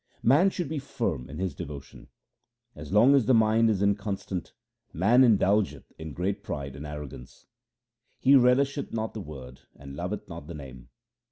Man should be firm in his devotion :— As long as the mind is inconstant, man indulgeth in great pride and arrogance. He relisheth not the Word and loveth not the Name.